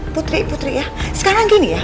putri putri ya sekarang gini ya